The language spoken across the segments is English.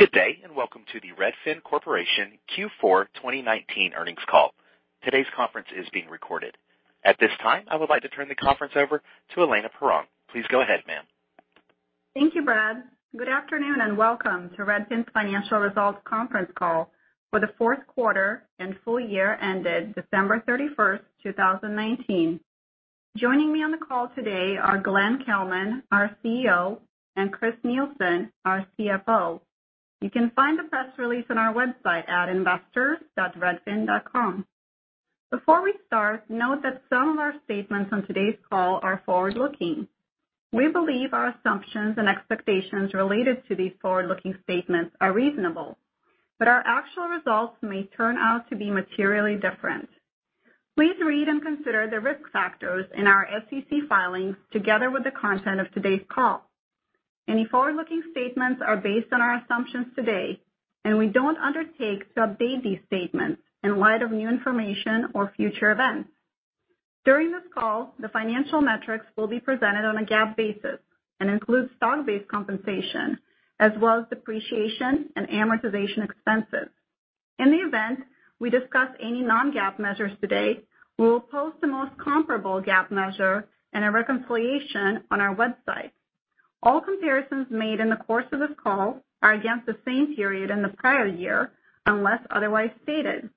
Good day, and welcome to the Redfin Corporation Q4 2019 Earnings Call. Today's conference is being recorded. At this time, I would like to turn the conference over to Elena Perron. Please go ahead, ma'am. Thank you, Brad. Good afternoon, and welcome to Redfin's Financial Results conference call for the fourth quarter and full year ended December 31st, 2019. Joining me on the call today are Glenn Kelman, our Chief Executive Officer, and Chris Nielsen, our Chief Financial Officer. You can find the press release on our website at investors.redfin.com. Before we start, note that some of our statements on today's call are forward-looking. We believe our assumptions and expectations related to these forward-looking statements are reasonable, but our actual results may turn out to be materially different. Please read and consider the risk factors in our SEC filings, together with the content of today's call. Any forward-looking statements are based on our assumptions today, and we don't undertake to update these statements in light of new information or future events. During this call, the financial metrics will be presented on a GAAP basis and includes stock-based compensation as well as depreciation and amortization expenses. In the event we discuss any non-GAAP measures today, we will post the most comparable GAAP measure and a reconciliation on our website. All comparisons made in the course of this call are against the same period in the prior year, unless otherwise stated.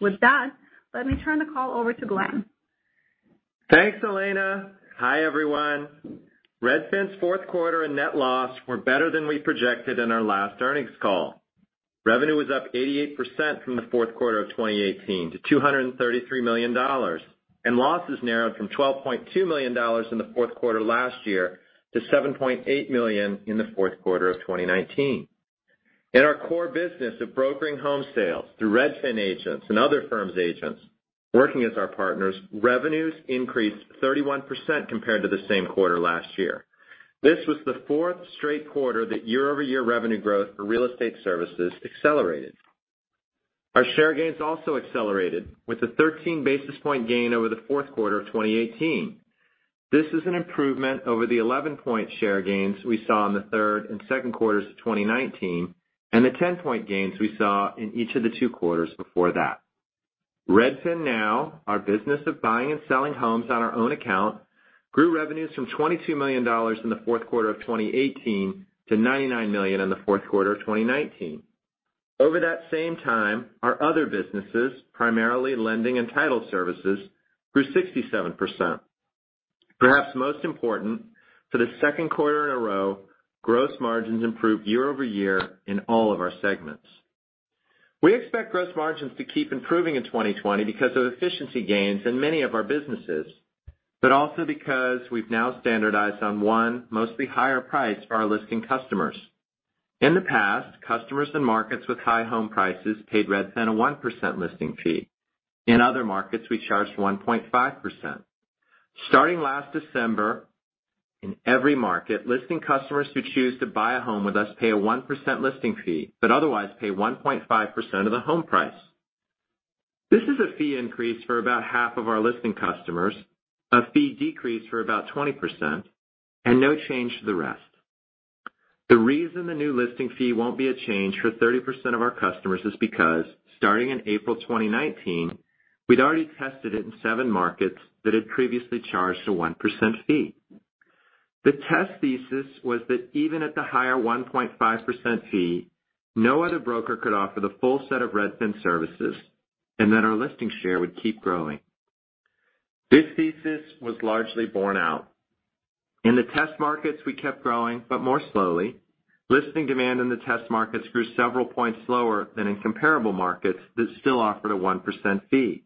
With that, let me turn the call over to Glenn. Thanks, Elena. Hi, everyone. Redfin's fourth quarter and net loss were better than we projected in our last earnings call. Revenue was up 88% from the fourth quarter of 2018 to $233 million. Losses narrowed from $12.2 million in the fourth quarter last year to $7.8 million in the fourth quarter of 2019. In our core business of brokering home sales through Redfin agents and other firms' agents working as our partners, revenues increased 31% compared to the same quarter last year. This was the fourth straight quarter that year-over-year revenue growth for real estate services accelerated. Our share gains also accelerated with a 13 basis points gain over the fourth quarter of 2018. This is an improvement over the 11 basis points share gains we saw in the third and second quarters of 2019, and the 10 basis points gains we saw in each of the two quarters before that. RedfinNow, our business of buying and selling homes on our own account, grew revenues from $22 million in the fourth quarter of 2018 to $99 million in the fourth quarter of 2019. Over that same time, our other businesses, primarily lending and title services, grew 67%. Perhaps most important, for the second quarter in a row, gross margins improved year-over-year in all of our segments. We expect gross margins to keep improving in 2020 because of efficiency gains in many of our businesses, but also because we've now standardized on one mostly higher price for our listing customers. In the past, customers in markets with high home prices paid Redfin a 1% listing fee. In other markets, we charged 1.5%. Starting last December, in every market, listing customers who choose to buy a home with us pay a 1% listing fee, but otherwise pay 1.5% of the home price. This is a fee increase for about half of our listing customers, a fee decrease for about 20%, and no change to the rest. The reason the new listing fee won't be a change for 30% of our customers is because starting in April 2019, we'd already tested it in seven markets that had previously charged a 1% fee. The test thesis was that even at the higher 1.5% fee, no other broker could offer the full set of Redfin services and that our listing share would keep growing. This thesis was largely borne out. In the test markets, we kept growing, but more slowly. Listing demand in the test markets grew several points slower than in comparable markets that still offered a 1% fee.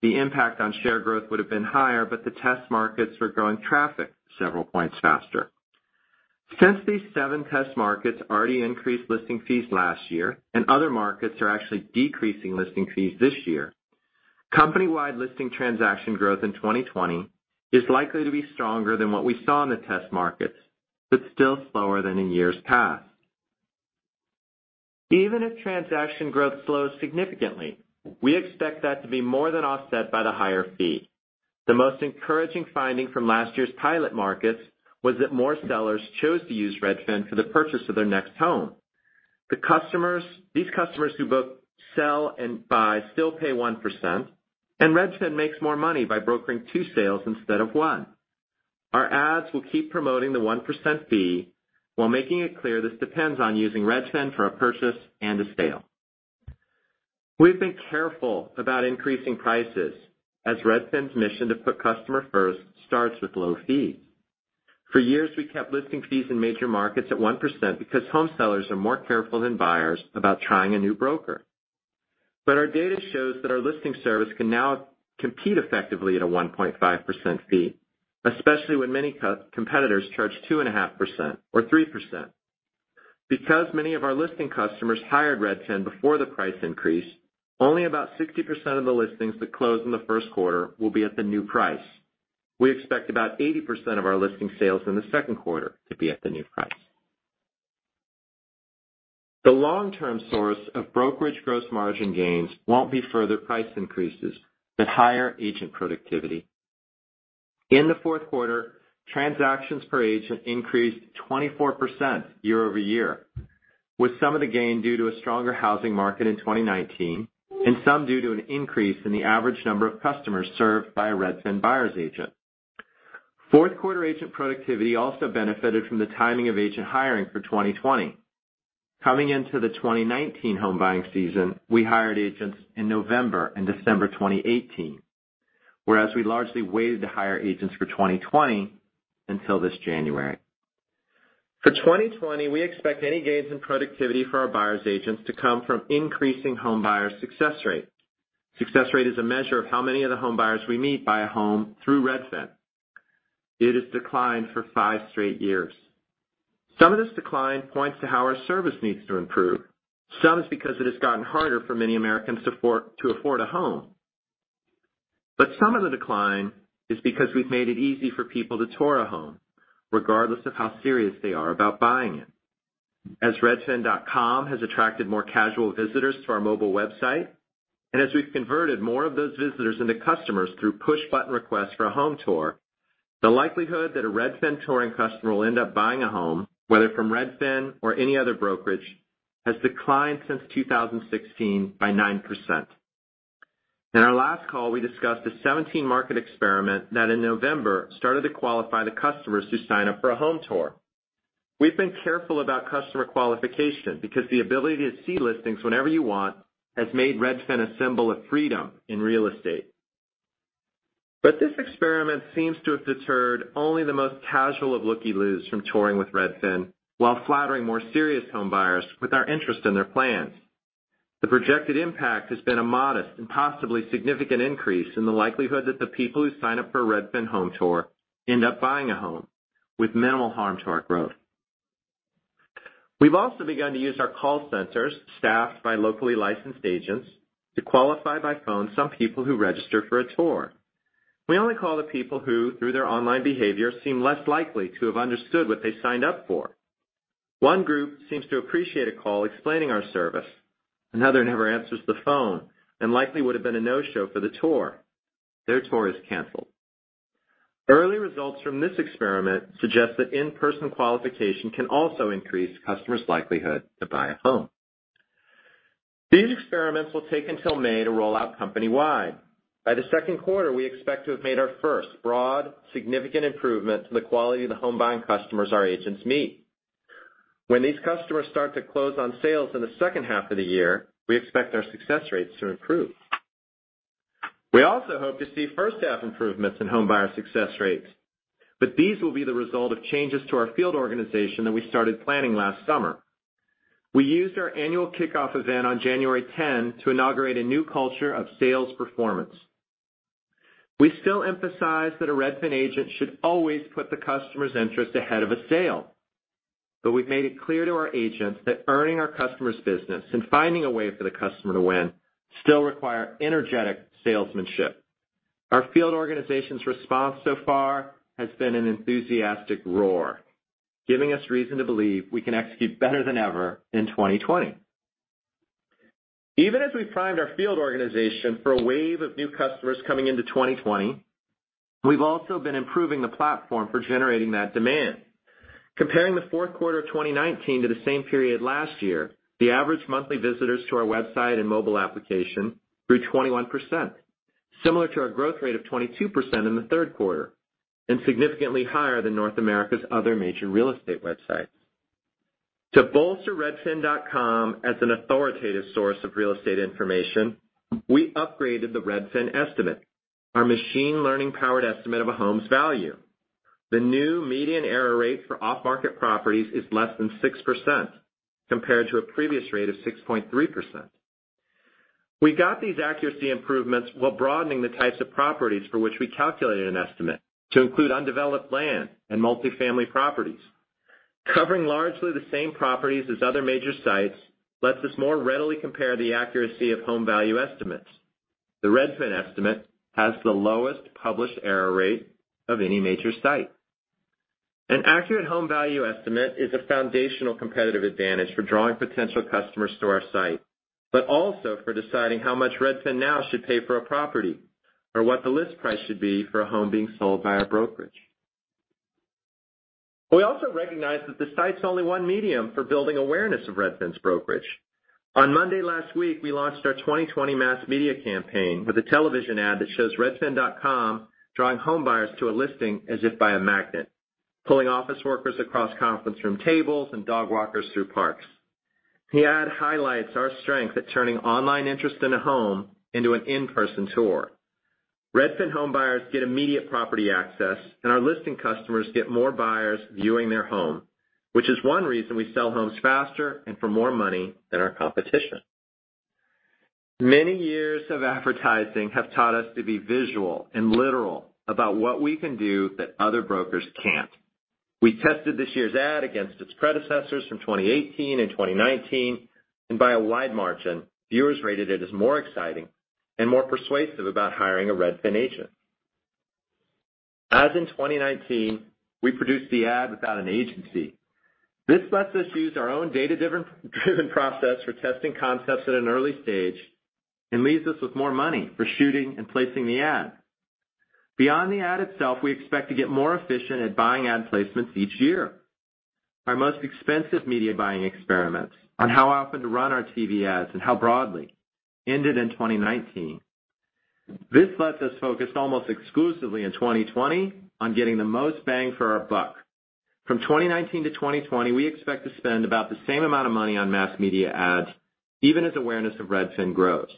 The impact on share growth would've been higher, but the test markets were growing traffic several points faster. Since these seven test markets already increased listing fees last year and other markets are actually decreasing listing fees this year, company-wide listing transaction growth in 2020 is likely to be stronger than what we saw in the test markets, but still slower than in years past. Even if transaction growth slows significantly, we expect that to be more than offset by the higher fee. The most encouraging finding from last year's pilot markets was that more sellers chose to use Redfin for the purchase of their next home. These customers who both sell and buy still pay 1%, and Redfin makes more money by brokering two sales instead of one. Our ads will keep promoting the 1% fee while making it clear this depends on using Redfin for a purchase and a sale. We've been careful about increasing prices, as Redfin's mission to put customer first starts with low fees. For years, we kept listing fees in major markets at 1% because home sellers are more careful than buyers about trying a new broker. Our data shows that our listing service can now compete effectively at a 1.5% fee, especially when many competitors charge 2.5% or 3%. Because many of our listing customers hired Redfin before the price increase, only about 60% of the listings that close in the first quarter will be at the new price. We expect about 80% of our listing sales in the second quarter to be at the new price. The long-term source of brokerage gross margin gains won't be further price increases but higher agent productivity. In the fourth quarter, transactions per agent increased 24% year-over-year, with some of the gain due to a stronger housing market in 2019 and some due to an increase in the average number of customers served by a Redfin buyer's agent. Fourth quarter agent productivity also benefited from the timing of agent hiring for 2020. Coming into the 2019 home buying season, we hired agents in November and December 2018, whereas we largely waited to hire agents for 2020 until this January. For 2020, we expect any gains in productivity for our buyer's agents to come from increasing home buyer success rate. Success rate is a measure of how many of the home buyers we meet buy a home through Redfin. It has declined for five straight years. Some of this decline points to how our service needs to improve. Some is because it has gotten harder for many Americans to afford a home. Some of the decline is because we've made it easy for people to tour a home, regardless of how serious they are about buying it. As redfin.com has attracted more casual visitors to our mobile website, and as we've converted more of those visitors into customers through push button requests for a home tour, the likelihood that a Redfin touring customer will end up buying a home, whether from Redfin or any other brokerage, has declined since 2016 by 9%. In our last call, we discussed a 17-market experiment that in November started to qualify the customers who sign up for a home tour. We've been careful about customer qualification because the ability to see listings whenever you want has made Redfin a symbol of freedom in real estate. This experiment seems to have deterred only the most casual of looky-loos from touring with Redfin while flattering more serious home buyers with our interest in their plans. The projected impact has been a modest and possibly significant increase in the likelihood that the people who sign up for a Redfin home tour end up buying a home with minimal harm to our growth. We've also begun to use our call centers, staffed by locally licensed agents, to qualify by phone some people who register for a tour. We only call the people who, through their online behavior, seem less likely to have understood what they signed up for. One group seems to appreciate a call explaining our service. Another never answers the phone and likely would've been a no-show for the tour. Their tour is canceled. Early results from this experiment suggest that in-person qualification can also increase customers' likelihood to buy a home. These experiments will take until May to roll out company-wide. By the second quarter, we expect to have made our first broad, significant improvement to the quality of the home buying customers our agents meet. When these customers start to close on sales in the second half of the year, we expect our success rates to improve. We also hope to see first-half improvements in home buyer success rates, but these will be the result of changes to our field organization that we started planning last summer. We used our annual kickoff event on January 10 to inaugurate a new culture of sales performance. We still emphasize that a Redfin agent should always put the customer's interest ahead of a sale, but we've made it clear to our agents that earning our customer's business and finding a way for the customer to win still require energetic salesmanship. Our field organization's response so far has been an enthusiastic roar, giving us reason to believe we can execute better than ever in 2020. Even as we primed our field organization for a wave of new customers coming into 2020, we've also been improving the platform for generating that demand. Comparing the fourth quarter of 2019 to the same period last year, the average monthly visitors to our website and mobile application grew 21%, similar to our growth rate of 22% in the third quarter, and significantly higher than North America's other major real estate websites. To bolster redfin.com as an authoritative source of real estate information, we upgraded the Redfin Estimate, our machine learning-powered estimate of a home's value. The new median error rate for off-market properties is less than 6%, compared to a previous rate of 6.3%. We got these accuracy improvements while broadening the types of properties for which we calculated an estimate to include undeveloped land and multi-family properties. Covering largely the same properties as other major sites lets us more readily compare the accuracy of home value estimates. The Redfin Estimate has the lowest published error rate of any major site. An accurate home value estimate is a foundational competitive advantage for drawing potential customers to our site, but also for deciding how much RedfinNow should pay for a property, or what the list price should be for a home being sold by our brokerage. We also recognize that the site's only one medium for building awareness of Redfin's brokerage. On Monday last week, we launched our 2020 mass media campaign with a television ad that shows redfin.com drawing home buyers to a listing as if by a magnet, pulling office workers across conference room tables and dog walkers through parks. The ad highlights our strength at turning online interest in a home into an in-person tour. Redfin home buyers get immediate property access, and our listing customers get more buyers viewing their home, which is one reason we sell homes faster and for more money than our competition. Many years of advertising have taught us to be visual and literal about what we can do that other brokers can't. We tested this year's ad against its predecessors from 2018 and 2019, and by a wide margin, viewers rated it as more exciting and more persuasive about hiring a Redfin agent. As in 2019, we produced the ad without an agency. This lets us use our own data-driven process for testing concepts at an early stage and leaves us with more money for shooting and placing the ad. Beyond the ad itself, we expect to get more efficient at buying ad placements each year. Our most expensive media buying experiments on how often to run our TV ads and how broadly ended in 2019. This lets us focus almost exclusively in 2020 on getting the most bang for our buck. From 2019 to 2020, we expect to spend about the same amount of money on mass media ads, even as awareness of Redfin grows.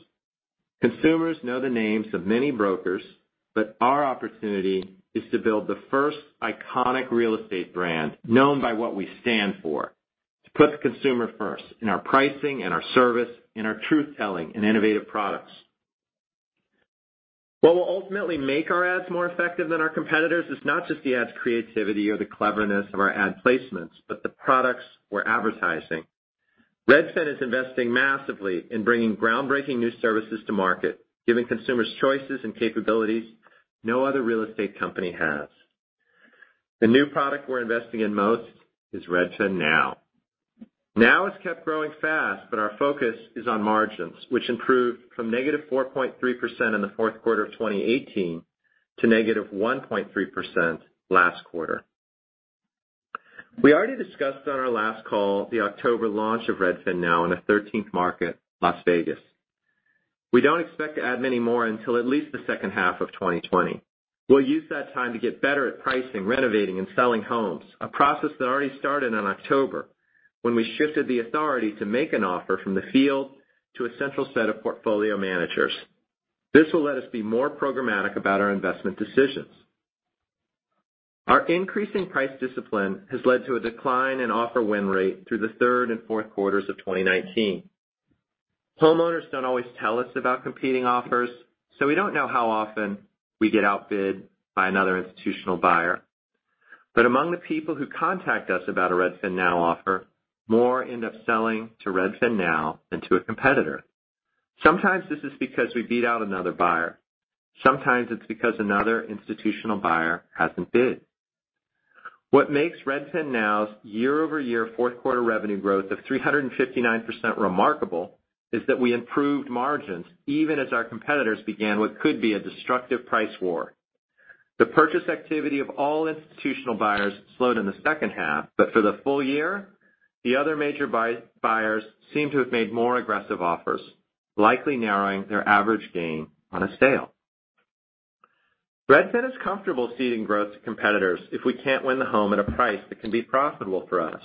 Consumers know the names of many brokers, but our opportunity is to build the first iconic real estate brand known by what we stand for, to put the consumer first in our pricing, in our service, in our truth-telling, and innovative products. What will ultimately make our ads more effective than our competitors is not just the ads' creativity or the cleverness of our ad placements, but the products we're advertising. Redfin is investing massively in bringing groundbreaking new services to market, giving consumers choices and capabilities no other real estate company has. The new product we're investing in most is RedfinNow. Now has kept growing fast, but our focus is on margins, which improved from -4.3% in the fourth quarter of 2018 to -1.3% last quarter. We already discussed on our last call the October launch of RedfinNow in a 13th market, Las Vegas. We don't expect to add many more until at least the second half of 2020. We'll use that time to get better at pricing, renovating, and selling homes, a process that already started in October when we shifted the authority to make an offer from the field to a central set of portfolio managers. This will let us be more programmatic about our investment decisions. Our increasing price discipline has led to a decline in offer win rate through the third and fourth quarters of 2019. Homeowners don't always tell us about competing offers, so we don't know how often we get outbid by another institutional buyer. Among the people who contact us about a RedfinNow offer, more end up selling to RedfinNow than to a competitor. Sometimes this is because we beat out another buyer. Sometimes it's because another institutional buyer hasn't bid. What makes RedfinNow's year-over-year fourth-quarter revenue growth of 359% remarkable is that we improved margins even as our competitors began what could be a destructive price war. The purchase activity of all institutional buyers slowed in the second half, but for the full year, the other major buyers seem to have made more aggressive offers, likely narrowing their average gain on a sale. Redfin is comfortable ceding growth to competitors if we can't win the home at a price that can be profitable for us.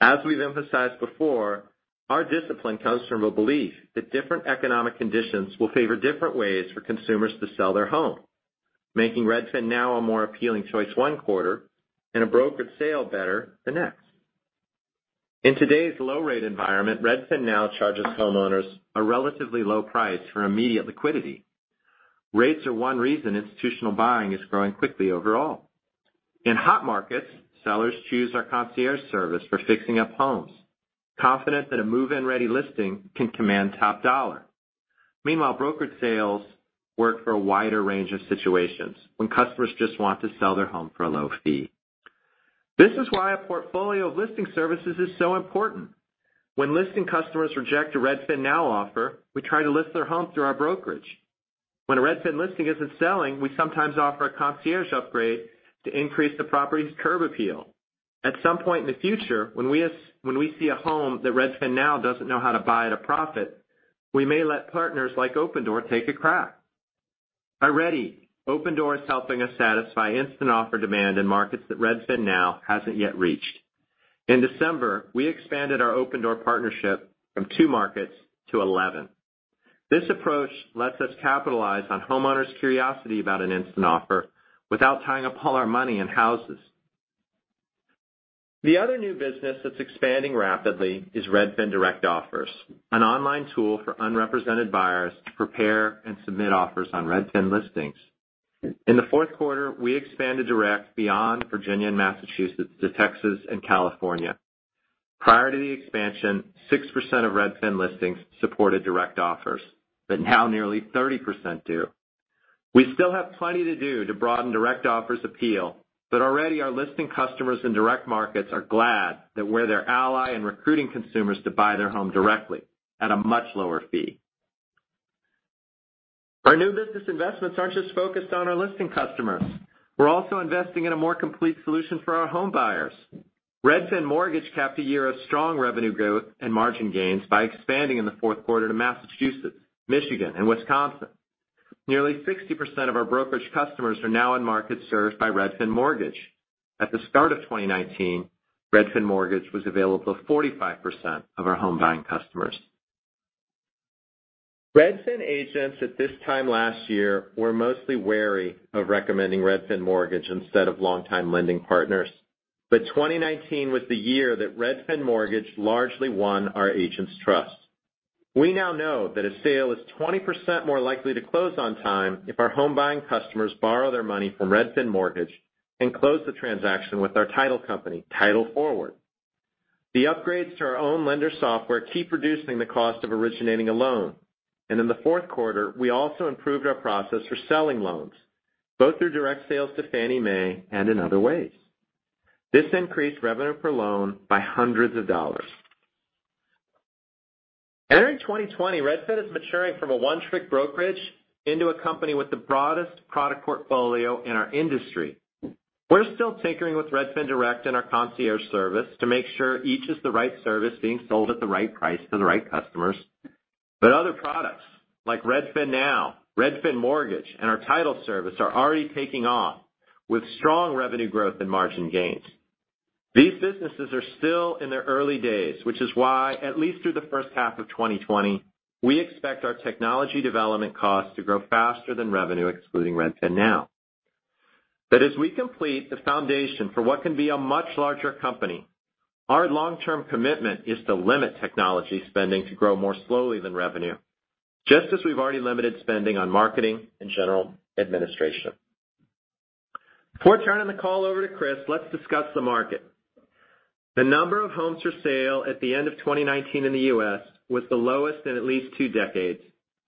As we've emphasized before, our discipline comes from a belief that different economic conditions will favor different ways for consumers to sell their home, making RedfinNow a more appealing choice one quarter and a brokered sale better the next. In today's low-rate environment, RedfinNow charges homeowners a relatively low price for immediate liquidity. Rates are one reason institutional buying is growing quickly overall. In hot markets, sellers choose our Concierge Service for fixing up homes, confident that a move-in-ready listing can command top dollar. Meanwhile, brokered sales work for a wider range of situations, when customers just want to sell their home for a low fee. This is why a portfolio of listing services is so important. When listing customers reject a RedfinNow offer, we try to list their home through our brokerage. When a Redfin listing isn't selling, we sometimes offer a concierge upgrade to increase the property's curb appeal. At some point in the future, when we see a home that RedfinNow doesn't know how to buy at a profit, we may let partners like Opendoor take a crack. Already, Opendoor is helping us satisfy instant offer demand in markets that RedfinNow hasn't yet reached. In December, we expanded our Opendoor partnership from two markets to 11. This approach lets us capitalize on homeowners' curiosity about an instant offer without tying up all our money in houses. The other new business that's expanding rapidly is Redfin Direct offers, an online tool for unrepresented buyers to prepare and submit offers on Redfin listings. In the fourth quarter, we expanded Direct beyond Virginia and Massachusetts to Texas and California. Prior to the expansion, 6% of Redfin listings supported Direct offers. Now nearly 30% do. We still have plenty to do to broaden Direct offers' appeal. Already our listing customers in Direct markets are glad that we're their ally in recruiting consumers to buy their home directly at a much lower fee. Our new business investments aren't just focused on our listing customers. We're also investing in a more complete solution for our home buyers. Redfin Mortgage capped a year of strong revenue growth and margin gains by expanding in the fourth quarter to Massachusetts, Michigan, and Wisconsin. Nearly 60% of our brokerage customers are now in markets served by Redfin Mortgage. At the start of 2019, Redfin Mortgage was available to 45% of our home-buying customers. Redfin agents at this time last year were mostly wary of recommending Redfin Mortgage instead of longtime lending partners. 2019 was the year that Redfin Mortgage largely won our agents' trust. We now know that a sale is 20% more likely to close on time if our home-buying customers borrow their money from Redfin Mortgage and close the transaction with our title company, Title Forward. The upgrades to our own lender software keep reducing the cost of originating a loan. In the fourth quarter, we also improved our process for selling loans, both through direct sales to Fannie Mae and in other ways. This increased revenue per loan by hundreds of dollars. Entering 2020, Redfin is maturing from a one-trick brokerage into a company with the broadest product portfolio in our industry. We're still tinkering with Redfin Direct and our Redfin Concierge Service to make sure each is the right service being sold at the right price to the right customers. Other products like RedfinNow, Redfin Mortgage, and our Title Forward service are already taking off, with strong revenue growth and margin gains. These businesses are still in their early days, which is why, at least through the first half of 2020, we expect our technology development costs to grow faster than revenue, excluding RedfinNow. As we complete the foundation for what can be a much larger company, our long-term commitment is to limit technology spending to grow more slowly than revenue, just as we've already limited spending on marketing and general administration. Before turning the call over to Chris, let's discuss the market. The number of homes for sale at the end of 2019 in the U.S. was the lowest in at least two decades,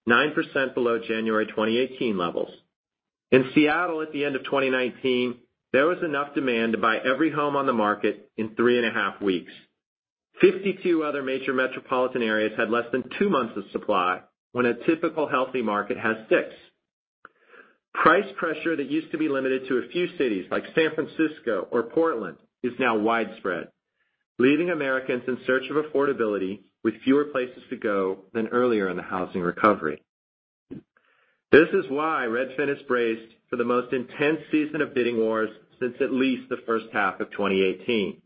9% below January 2018 levels. In Seattle at the end of 2019, there was enough demand to buy every home on the market in 3.5 weeks. 52 other major metropolitan areas had less than two months of supply, when a typical healthy market has six. Price pressure that used to be limited to a few cities like San Francisco or Portland is now widespread, leaving Americans in search of affordability with fewer places to go than earlier in the housing recovery. This is why Redfin is braced for the most intense season of bidding wars since at least the first half of 2018.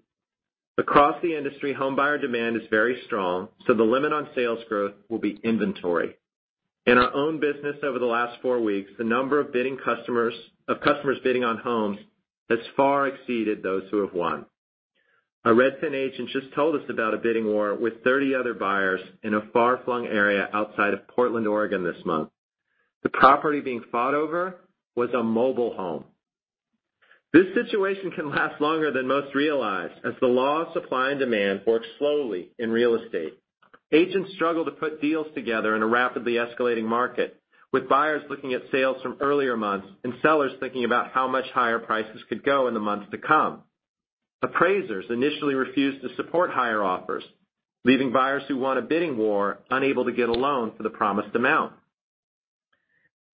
Across the industry, home buyer demand is very strong, so the limit on sales growth will be inventory. In our own business over the last four weeks, the number of customers bidding on homes has far exceeded those who have won. A Redfin agent just told us about a bidding war with 30 other buyers in a far-flung area outside of Portland, Oregon this month. The property being fought over was a mobile home. This situation can last longer than most realize, as the law of supply and demand works slowly in real estate. Agents struggle to put deals together in a rapidly escalating market, with buyers looking at sales from earlier months and sellers thinking about how much higher prices could go in the months to come. Appraisers initially refused to support higher offers, leaving buyers who won a bidding war unable to get a loan for the promised amount.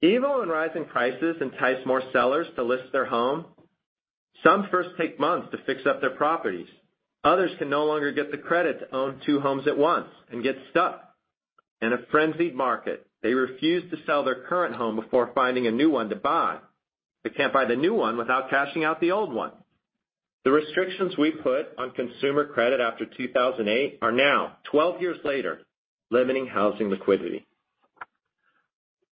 Even when rising prices entice more sellers to list their home, some first take months to fix up their properties. Others can no longer get the credit to own two homes at once and get stuck. In a frenzied market, they refuse to sell their current home before finding a new one to buy. They can't buy the new one without cashing out the old one. The restrictions we put on consumer credit after 2008 are now, 12 years later, limiting housing liquidity.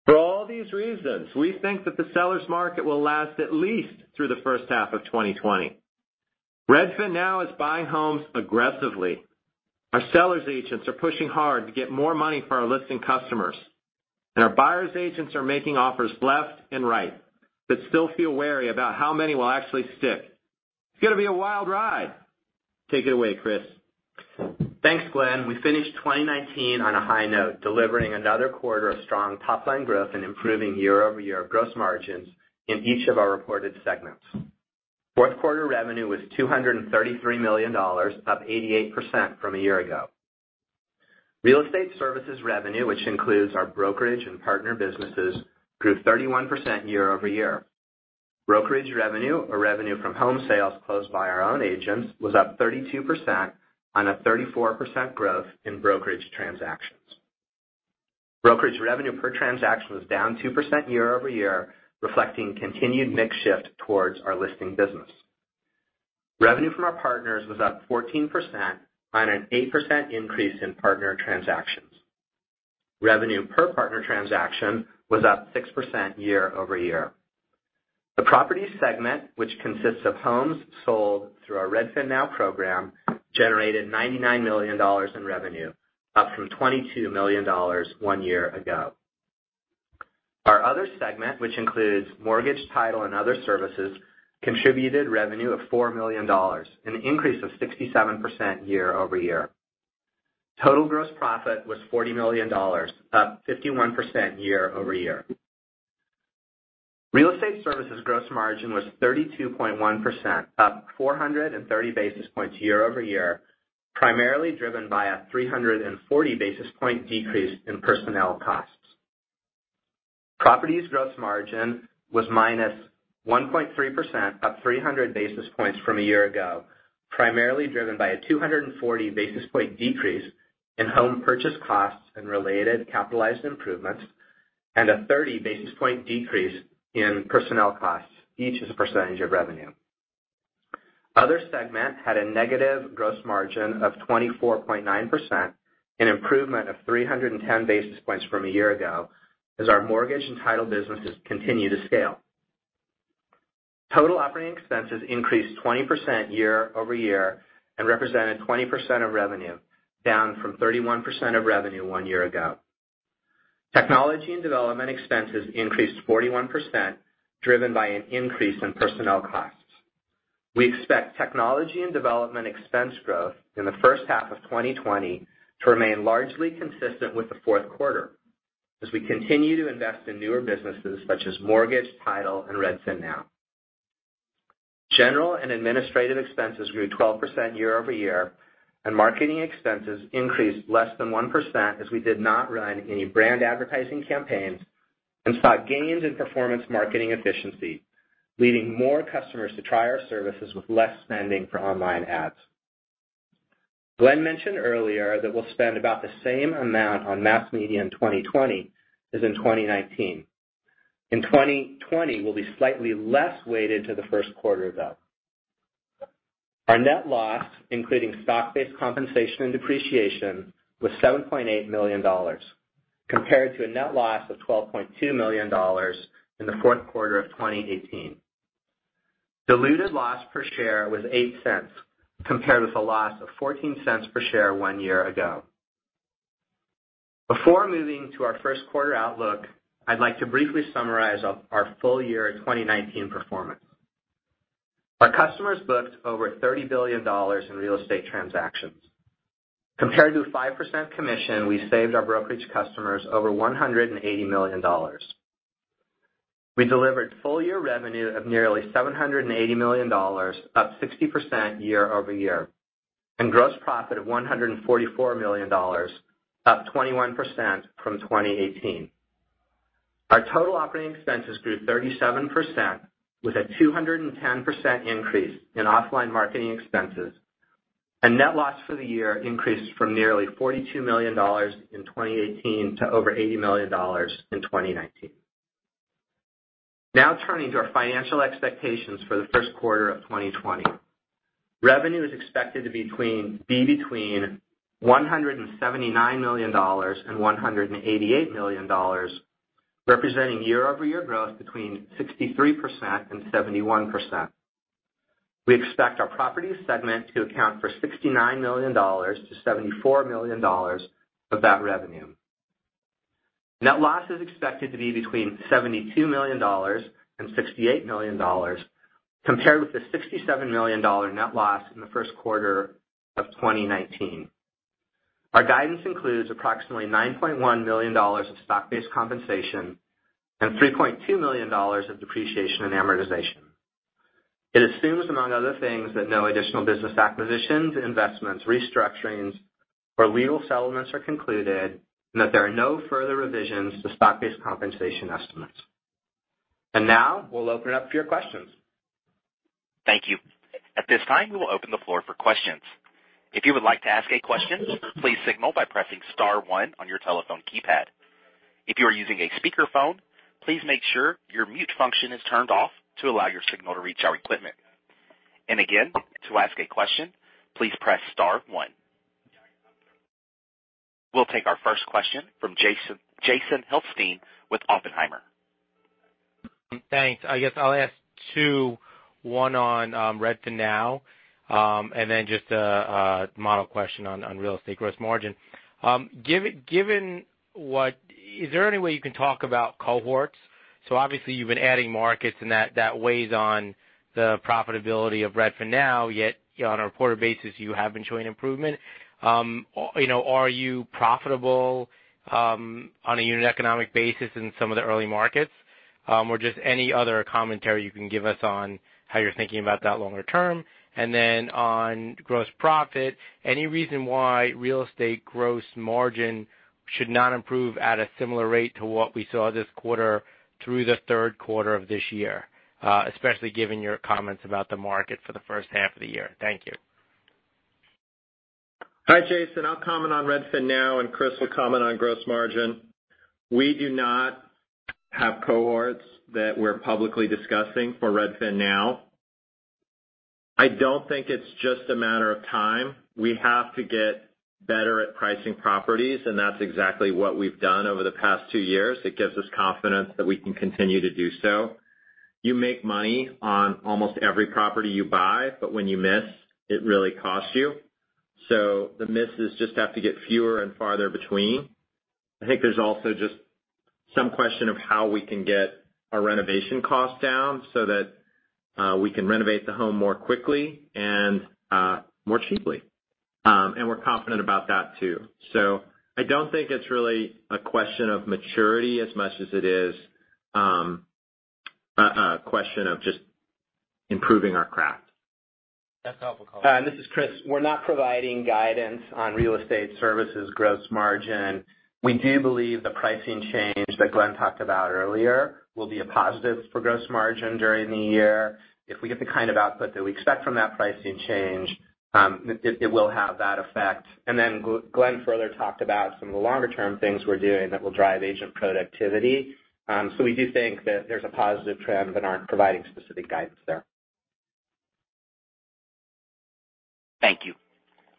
For all these reasons, we think that the sellers market will last at least through the first half of 2020. RedfinNow is buying homes aggressively. Our sellers agents are pushing hard to get more money for our listing customers, and our buyer's agents are making offers left and right, but still feel wary about how many will actually stick. It's going to be a wild ride. Take it away, Chris Nielsen. Thanks, Glenn. We finished 2019 on a high note, delivering another quarter of strong top-line growth and improving year-over-year gross margins in each of our reported segments. Fourth quarter revenue was $233 million, up 88% from a year ago. Real estate services revenue, which includes our brokerage and partner businesses, grew 31% year-over-year. Brokerage revenue, or revenue from home sales closed by our own agents, was up 32% on a 34% growth in brokerage transactions. Brokerage revenue per transaction was down 2% year-over-year, reflecting continued mix shift towards our listing business. Revenue from our partners was up 14% on an 8% increase in partner transactions. Revenue per partner transaction was up 6% year-over-year. The property segment, which consists of homes sold through our RedfinNow program, generated $99 million in revenue, up from $22 million one year ago. Our other segment, which includes mortgage, title, and other services, contributed revenue of $4 million, an increase of 67% year-over-year. Total gross profit was $40 million, up 51% year-over-year. Real estate services gross margin was 32.1%, up 430 basis points year-over-year, primarily driven by a 340 basis points decrease in personnel costs. Properties gross margin was -1.3%, up 300 basis points from a year ago, primarily driven by a 240 basis points decrease in home purchase costs and related capitalized improvements, and a 30 basis points decrease in personnel costs, each as a percentage of revenue. Other segment had a negative gross margin of 24.9%, an improvement of 310 basis points from a year ago, as our mortgage and title businesses continue to scale. Total operating expenses increased 20% year-over-year and represented 20% of revenue, down from 31% of revenue one year ago. Technology and development expenses increased 41%, driven by an increase in personnel costs. We expect technology and development expense growth in the first half of 2020 to remain largely consistent with the fourth quarter as we continue to invest in newer businesses such as Mortgage, Title, and RedfinNow. General and administrative expenses grew 12% year-over-year, and marketing expenses increased less than 1% as we did not run any brand advertising campaigns and saw gains in performance marketing efficiency, leading more customers to try our services with less spending for online ads. Glenn mentioned earlier that we'll spend about the same amount on mass media in 2020 as in 2019. In 2020, we'll be slightly less weighted to the first quarter, though. Our net loss, including stock-based compensation and depreciation, was $7.8 million, compared to a net loss of $12.2 million in the fourth quarter of 2018. Diluted loss per share was $0.08, compared with a loss of $0.14 per share one year ago. Before moving to our first quarter outlook, I'd like to briefly summarize our full year 2019 performance. Our customers booked over $30 billion in real estate transactions. Compared to 5% commission, we saved our brokerage customers over $180 million. We delivered full year revenue of nearly $780 million, up 60% year-over-year, and gross profit of $144 million, up 21% from 2018. Our total operating expenses grew 37%, with a 210% increase in offline marketing expenses, and net loss for the year increased from nearly $42 million in 2018 to over $80 million in 2019. Now turning to our financial expectations for the first quarter of 2020. Revenue is expected to be between $179 million and $188 million, representing year-over-year growth between 63% and 71%. We expect our properties segment to account for $69 million to $74 million of that revenue. Net loss is expected to be between $72 million and $68 million, compared with the $67 million net loss in the first quarter of 2019. Our guidance includes approximately $9.1 million of stock-based compensation and $3.2 million of depreciation and amortization. It assumes, among other things, that no additional business acquisitions, investments, restructurings, or legal settlements are concluded and that there are no further revisions to stock-based compensation estimates. Now we'll open it up for your questions. Thank you. At this time, we will open the floor for questions. If you would like to ask a question, please signal by pressing star one on your telephone keypad. If you are using a speakerphone, please make sure your mute function is turned off to allow your signal to reach our equipment. Again, to ask a question, please press star one. We'll take our first question from Jason Helfstein with Oppenheimer. Thanks. I guess I'll ask two, one on RedfinNow, and then just a model question on real estate gross margin. Is there any way you can talk about cohorts? Obviously you've been adding markets and that weighs on the profitability of RedfinNow, yet on a quarter basis, you have been showing improvement. Are you profitable on a unit economic basis in some of the early markets? Just any other commentary you can give us on how you're thinking about that longer term. On gross profit, any reason why real estate gross margin should not improve at a similar rate to what we saw this quarter through the third quarter of this year, especially given your comments about the market for the first half of the year? Thank you. Hi, Jason. I'll comment on RedfinNow, and Chris will comment on gross margin. We do not have cohorts that we're publicly discussing for RedfinNow. I don't think it's just a matter of time. We have to get better at pricing properties, and that's exactly what we've done over the past two years. It gives us confidence that we can continue to do so. You make money on almost every property you buy, but when you miss, it really costs you. The misses just have to get fewer and farther between. I think there's also just some question of how we can get our renovation costs down so that we can renovate the home more quickly and more cheaply. We're confident about that, too. I don't think it's really a question of maturity as much as it is a question of just improving our craft. That's a helpful comment. This is Chris. We're not providing guidance on real estate services gross margin. We do believe the pricing change that Glenn talked about earlier will be a positive for gross margin during the year. If we get the kind of output that we expect from that pricing change, it will have that effect. Then Glenn further talked about some of the longer-term things we're doing that will drive agent productivity. We do think that there's a positive trend but aren't providing specific guidance there. Thank you.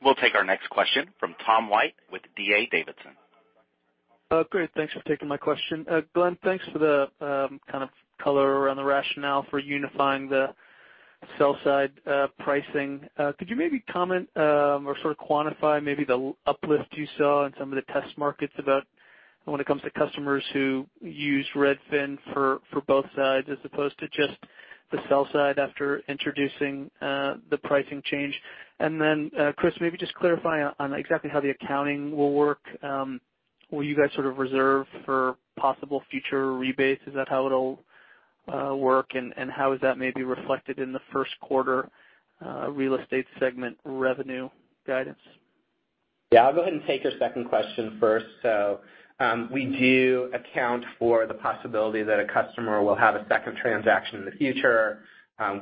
We'll take our next question from Tom White with D.A. Davidson. Great. Thanks for taking my question. Glenn, thanks for the kind of color around the rationale for unifying the sell-side pricing. Could you maybe comment or sort of quantify maybe the uplift you saw in some of the test markets about when it comes to customers who use Redfin for both sides as opposed to just the sell side after introducing the pricing change? Chris, maybe just clarify on exactly how the accounting will work? Will you guys sort of reserve for possible future rebates? Is that how it'll work? How is that maybe reflected in the first quarter real estate segment revenue guidance? Yeah, I'll go ahead and take your second question first. We do account for the possibility that a customer will have a second transaction in the future.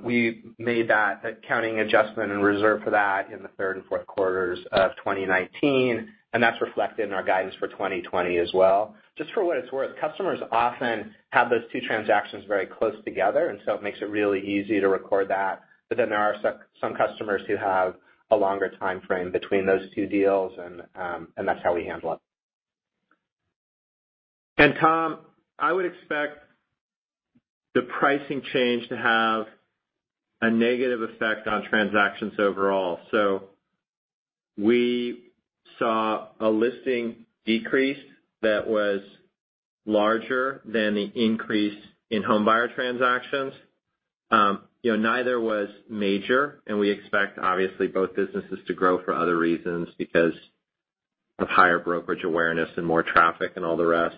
We made that accounting adjustment and reserved for that in the third and fourth quarters of 2019, and that's reflected in our guidance for 2020 as well. Just for what it's worth, customers often have those two transactions very close together, it makes it really easy to record that. There are some customers who have a longer timeframe between those two deals, that's how we handle it. Tom, I would expect the pricing change to have a negative effect on transactions overall. We saw a listing decrease that was larger than the increase in home buyer transactions. You know, neither was major, and we expect, obviously, both businesses to grow for other reasons because of higher brokerage awareness and more traffic and all the rest.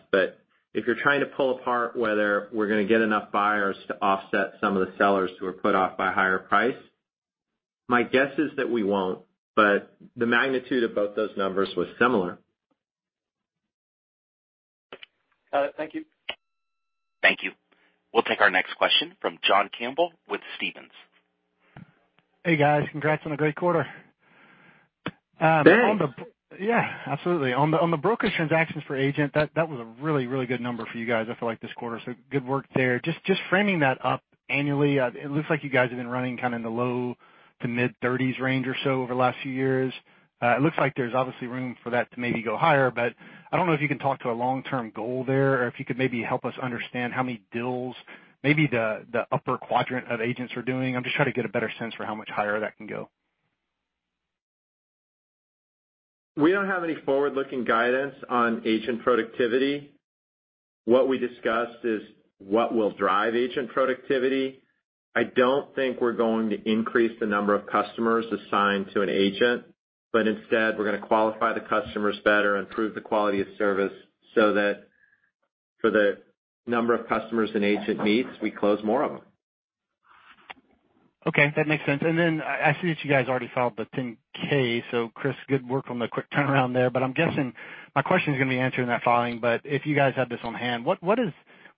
If you're trying to pull apart whether we're gonna get enough buyers to offset some of the sellers who are put off by a higher price, my guess is that we won't, but the magnitude of both those numbers was similar. Got it. Thank you. Thank you. We'll take our next question from John Campbell with Stephens. Hey, guys. Congrats on a great quarter. Thanks. Yeah, absolutely. On the brokerage transactions for agent, that was a really, really good number for you guys, I feel like this quarter, so good work there. Just framing that up annually, it looks like you guys have been running kind of in the low to mid-30s range or so over the last few years. It looks like there's obviously room for that to maybe go higher, but I don't know if you can talk to a long-term goal there, or if you could maybe help us understand how many deals maybe the upper quadrant of agents are doing? I'm just trying to get a better sense for how much higher that can go. We don't have any forward-looking guidance on agent productivity. What we discussed is what will drive agent productivity. I don't think we're going to increase the number of customers assigned to an agent, but instead, we're gonna qualify the customers better, improve the quality of service, so that for the number of customers an agent meets, we close more of them. Okay. That makes sense. Then I see that you guys already filed the 10-K, Chris, good work on the quick turnaround there. I'm guessing my question's gonna be answered in that filing, but if you guys have this on hand, What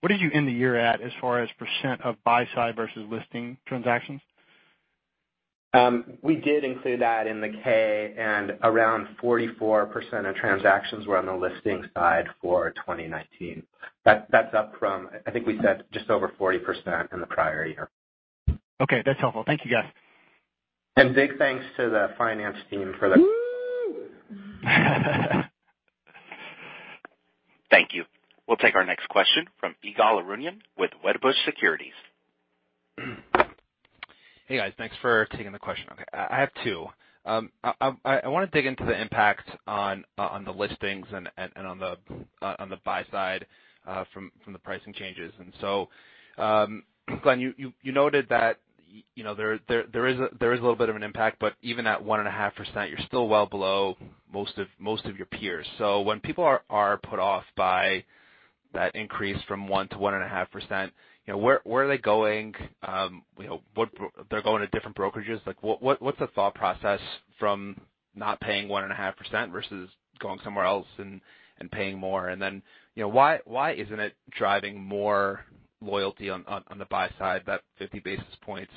are you end the year at as far as percent of buy-side versus listing transactions? We did include that in the 10-K. Around 44% of transactions were on the listing side for 2019. That's up from, I think we said, just over 40% in the prior year. Okay, that's helpful. Thank you, guys. Big thanks to the finance team. Whoo! Thank you. We'll take our next question from Ygal Arounian with Wedbush Securities. Hey, guys. Thanks for taking the question. I have two. I want to dig into the impact on the listings and on the buy side from the pricing changes. Glenn, you noted that you know, there is a little bit of an impact, but even at 1.5%, you're still well below most of your peers. When people are put off by that increase from 1% to 1.5%, you know, where are they going? You know, what they're going to different brokerages? Like, what's the thought process from not paying 1.5% versus going somewhere else and paying more? You know, why isn't it driving more loyalty on the buy side, that 50 basis points,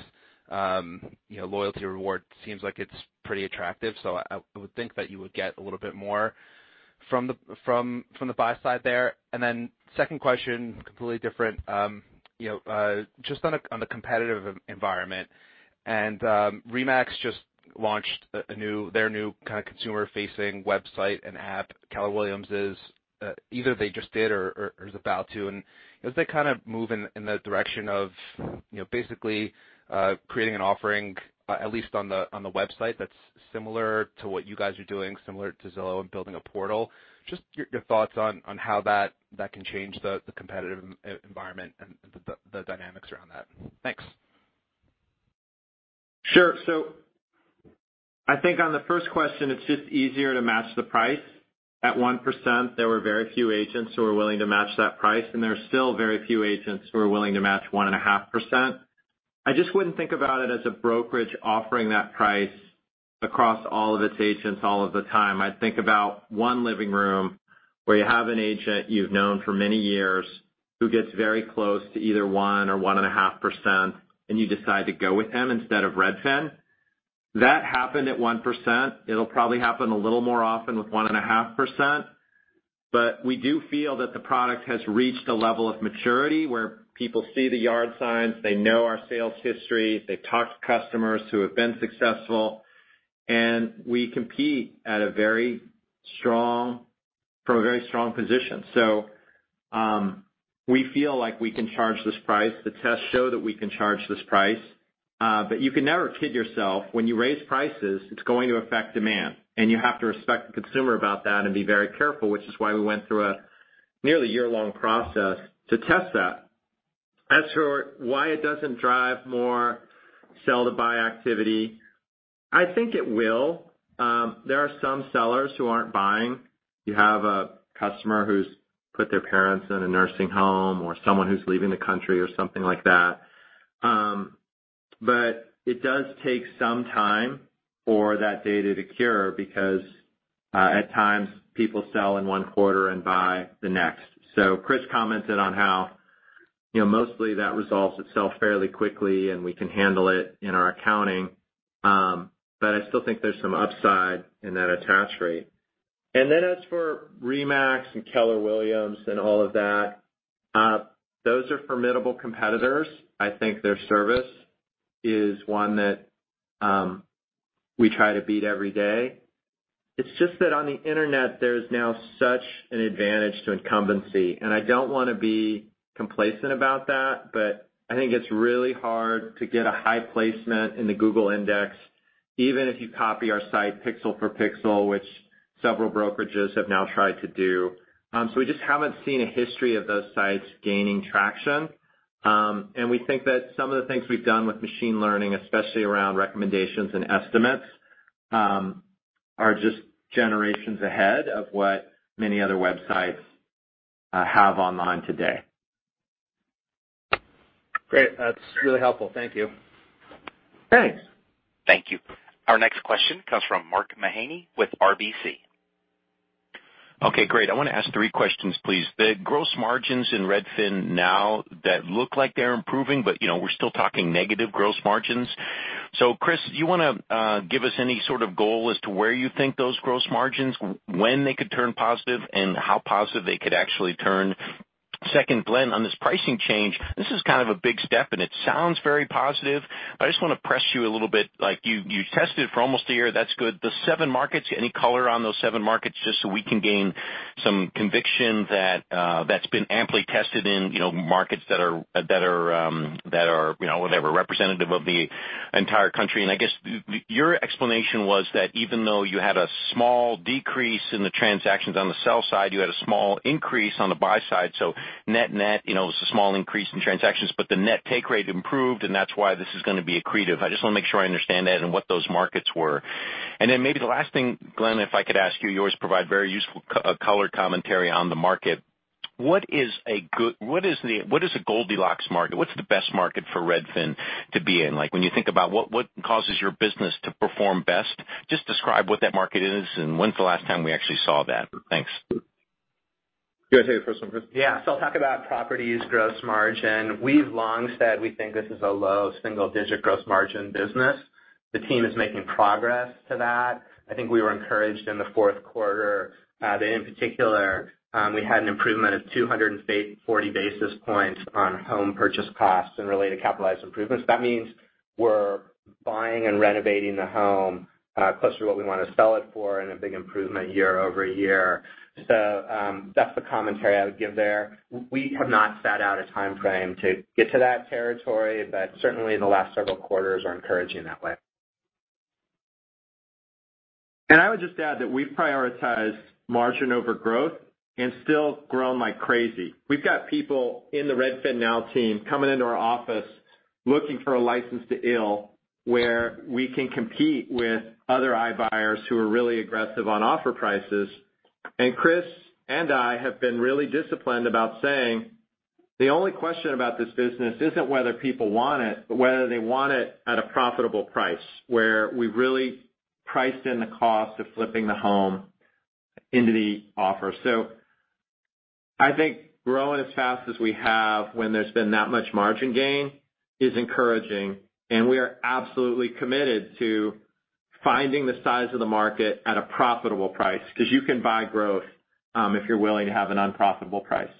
you know, loyalty reward seems like it's pretty attractive. I would think that you would get a little bit more from the buy side there. Second question, completely different. You know, just on the competitive environment, RE/MAX just launched a new, their new kinda consumer-facing website and app. Keller Williams is either they just did or is about to. As they kind of move in the direction of, you know, basically, creating an offering at least on the website that's similar to what you guys are doing, similar to Zillow and building a portal, just your thoughts on how that can change the competitive environment and the dynamics around that. Thanks. Sure. I think on the first question, it's just easier to match the price. At 1%, there were very few agents who were willing to match that price, and there are still very few agents who are willing to match 1.5%. I wouldn't think about it as a brokerage offering that price across all of its agents all of the time. I'd think about one living room where you have an agent you've known for many years, who gets very close to either 1% or 1.5%, and you decide to go with them instead of Redfin. That happened at 1%. It'll probably happen a little more often with 1.5%. We do feel that the product has reached a level of maturity, where people see the yard signs, they know our sales history, they've talked to customers who have been successful, and we compete from a very strong position. We feel like we can charge this price. The tests show that we can charge this price. You can never kid yourself. When you raise prices, it's going to affect demand, and you have to respect the consumer about that and be very careful, which is why we went through a nearly year-long process to test that. As for why it doesn't drive more sell-to-buy activity, I think it will. There are some sellers who aren't buying. You have a customer who's put their parents in a nursing home or someone who's leaving the country or something like that. It does take some time for that data to cure, because at times people sell in one quarter and buy the next. Chris commented on how mostly that resolves itself fairly quickly, and we can handle it in our accounting. I still think there's some upside in that attach rate. As for RE/MAX and Keller Williams and all of that, those are formidable competitors. I think their service is one that we try to beat every day. It's just that on the internet, there's now such an advantage to incumbency, and I don't want to be complacent about that, but I think it's really hard to get a high placement in the Google Index, even if you copy our site pixel for pixel, which several brokerages have now tried to do. We just haven't seen a history of those sites gaining traction. We think that some of the things we've done with machine learning, especially around recommendations and estimates, are just generations ahead of what many other websites have online today. Great. That's really helpful. Thank you. Thanks. Thank you. Our next question comes from Mark Mahaney with RBC Capital Markets. Okay, great. I want to ask three questions, please. The gross margins in RedfinNow that look like they're improving, but we're still talking negative gross margins. Chris, do you want to give us any sort of goal as to where you think those gross margins, when they could turn positive, and how positive they could actually turn? Second, Glenn, on this pricing change, this is kind of a big step, and it sounds very positive, but I just want to press you a little bit. You tested for almost a year. That's good. The seven markets, any color on those seven markets, just so we can gain some conviction that's been amply tested in markets that are whatever, representative of the entire country. I guess your explanation was that even though you had a small decrease in the transactions on the sell side, you had a small increase on the buy side, so net-net, it's a small increase in transactions, but the net take rate improved and that's why this is going to be accretive. I just want to make sure I understand that and what those markets were. Then maybe the last thing, Glenn, if I could ask you always provide very useful color commentary on the market. What is a Goldilocks market? What's the best market for Redfin to be in? When you think about what causes your business to perform best, just describe what that market is and when's the last time we actually saw that? Thanks. You want to take the first one, Chris? I'll talk about properties gross margin. We've long said we think this is a low single-digit gross margin business. The team is making progress to that. I think we were encouraged in the fourth quarter that in particular, we had an improvement of 240 basis points on home purchase costs and related capitalized improvements. That means we're buying and renovating the home closer to what we want to sell it for and a big improvement year-over-year. That's the commentary I would give there. We have not set out a timeframe to get to that territory, but certainly the last several quarters are encouraging that way. I would just add that we prioritize margin over growth and still grow my crazy. We've got people in the RedfinNow team coming into our office looking for a license to ill, where we can compete with other iBuyers who are really aggressive on offer prices. Chris and I have been really disciplined about saying, the only question about this business isn't whether people want it, but whether they want it at a profitable price, where we really priced in the cost of flipping the home into the offer. I think growing as fast as we have when there's been that much margin gain is encouraging, and we are absolutely committed to finding the size of the market at a profitable price, because you can buy growth, if you're willing to have an unprofitable price.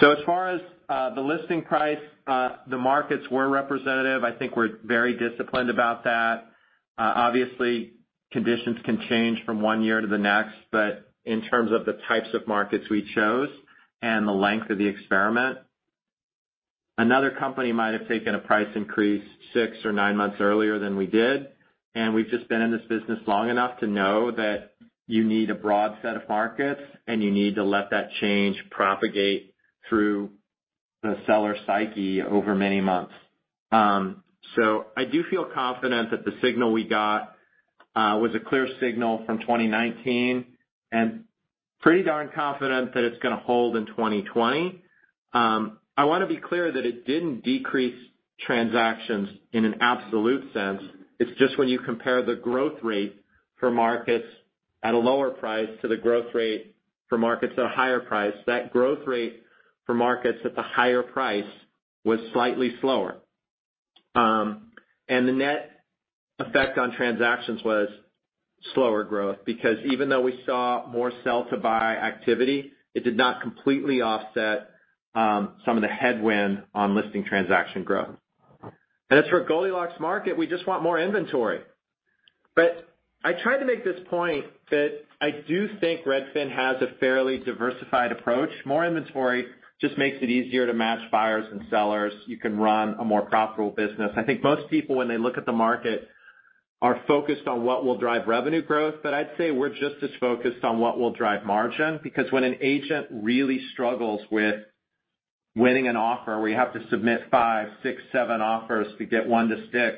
As far as the listing price, the markets were representative. I think we're very disciplined about that. Obviously, conditions can change from one year to the next, but in terms of the types of markets we chose and the length of the experiment, another company might have taken a price increase six or nine months earlier than we did, and we've just been in this business long enough to know that you need a broad set of markets, and you need to let that change propagate through the seller psyche over many months. I do feel confident that the signal we got was a clear signal from 2019, and pretty darn confident that it's going to hold in 2020. I want to be clear that it didn't decrease transactions in an absolute sense. It's just when you compare the growth rate for markets at a lower price to the growth rate for markets at a higher price. That growth rate for markets at the higher price was slightly slower. The net effect on transactions was slower growth, because even though we saw more sell to buy activity, it did not completely offset some of the headwind on listing transaction growth. As for Goldilocks market, we just want more inventory. I tried to make this point that I do think Redfin has a fairly diversified approach. More inventory just makes it easier to match buyers and sellers. You can run a more profitable business. I think most people, when they look at the market, are focused on what will drive revenue growth. I'd say we're just as focused on what will drive margin, because when an agent really struggles with winning an offer, we have to submit five, six, seven offers to get one to stick.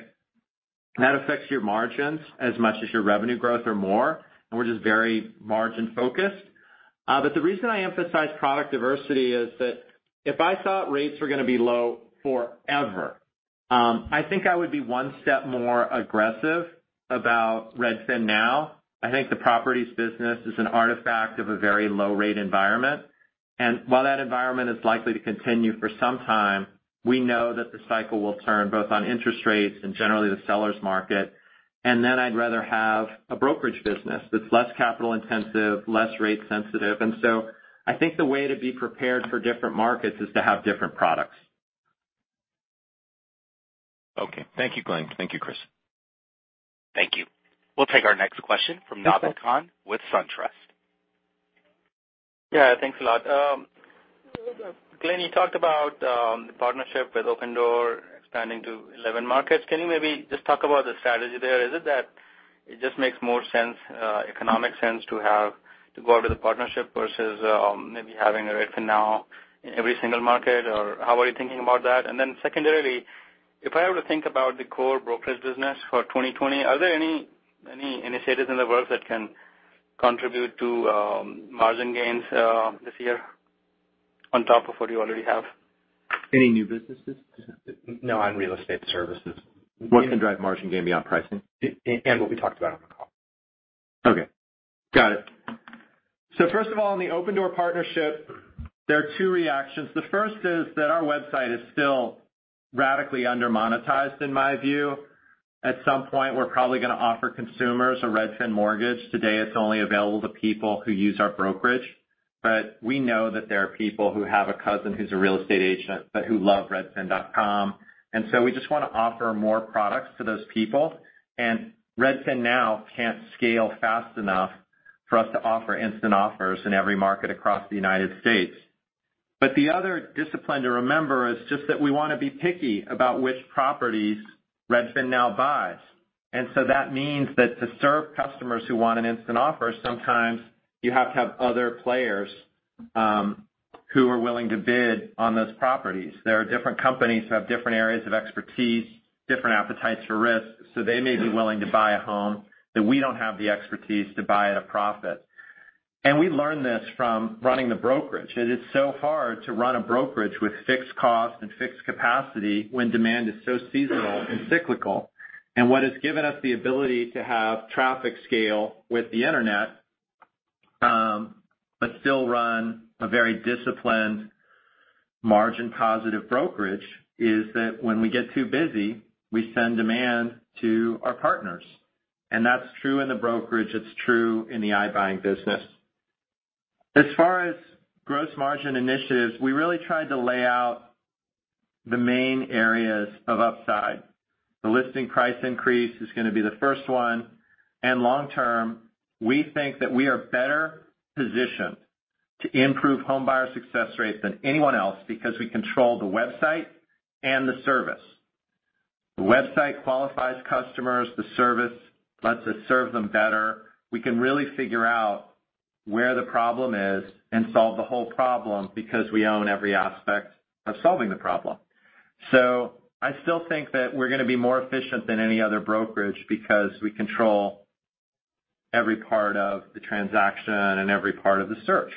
That affects your margins as much as your revenue growth or more, and we're just very margin-focused. The reason I emphasize product diversity is that if I thought rates were going to be low forever, I think I would be one step more aggressive about RedfinNow. I think the properties business is an artifact of a very low-rate environment. While that environment is likely to continue for some time, we know that the cycle will turn both on interest rates and generally the sellers market. I'd rather have a brokerage business that's less capital-intensive, less rate-sensitive. I think the way to be prepared for different markets is to have different products. Okay. Thank you, Glenn. Thank you, Chris. Thank you. We'll take our next question from Naved Khan with SunTrust. Yeah, thanks a lot. Glenn, you talked about the partnership with Opendoor expanding to 11 markets. Can you maybe just talk about the strategy there? Is it that it just makes more sense, economic sense, to go out with a partnership versus maybe having a RedfinNow in every single market? Or how are you thinking about that? Then secondarily, if I were to think about the core brokerage business for 2020, are there any initiatives in the works that can contribute to margin gains this year on top of what you already have? Any new businesses? No, on real estate services. What can drive margin gain beyond pricing? What we talked about on the call. Okay. Got it. First of all, on the Opendoor partnership, there are two reactions. The first is that our website is still radically undermonetized, in my view. At some point, we're probably going to offer consumers a Redfin Mortgage. Today, it's only available to people who use our brokerage. We know that there are people who have a cousin who's a real estate agent, but who love redfin.com. We just want to offer more products to those people. RedfinNow can't scale fast enough for us to offer instant offers in every market across the U.S. The other discipline to remember is just that we want to be picky about which properties RedfinNow buys. That means that to serve customers who want an instant offer, sometimes you have to have other players who are willing to bid on those properties. There are different companies who have different areas of expertise, different appetites for risk. They may be willing to buy a home that we don't have the expertise to buy at a profit. We learned this from running the brokerage, that it's so hard to run a brokerage with fixed cost and fixed capacity when demand is so seasonal and cyclical. What has given us the ability to have traffic scale with the internet, but still run a very disciplined margin positive brokerage, is that when we get too busy, we send demand to our partners. That's true in the brokerage, it's true in the iBuying business. As far as gross margin initiatives, we really tried to lay out the main areas of upside. The listing price increase is going to be the first one. Long-term, we think that we are better positioned to improve home buyer success rates than anyone else because we control the website and the service. The website qualifies customers. The service lets us serve them better. We can really figure out where the problem is and solve the whole problem because we own every aspect of solving the problem. I still think that we're going to be more efficient than any other brokerage because we control every part of the transaction and every part of the search.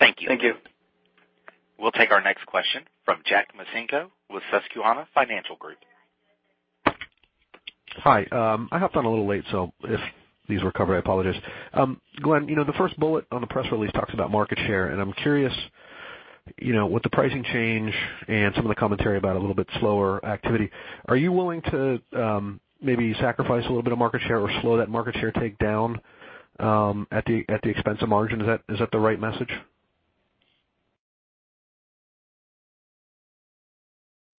Thank you. We'll take our next question from Jack Micenko with Susquehanna Financial Group. Hi. I hopped on a little late, so if these were covered, I apologize. Glenn, the first bullet on the press release talks about market share, and I'm curious, with the pricing change and some of the commentary about a little bit slower activity, are you willing to maybe sacrifice a little bit of market share or slow that market share take down at the expense of margin? Is that the right message?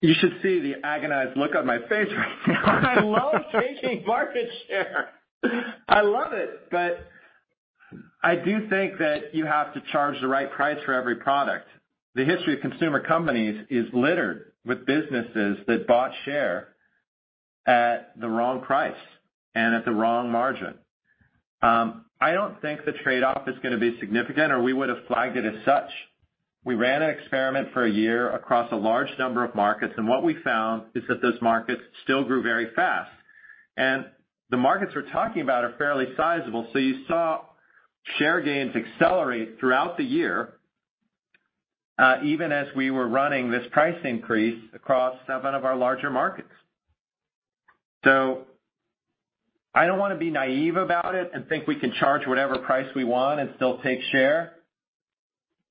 You should see the agonized look on my face right now. I love taking market share. I love it. I do think that you have to charge the right price for every product. The history of consumer companies is littered with businesses that bought share at the wrong price and at the wrong margin. I don't think the trade-off is going to be significant, or we would have flagged it as such. We ran an experiment for a year across a large number of markets, and what we found is that those markets still grew very fast. The markets we're talking about are fairly sizable. You saw share gains accelerate throughout the year, even as we were running this price increase across seven of our larger markets. I don't want to be naive about it and think we can charge whatever price we want and still take share.